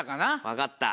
分かった。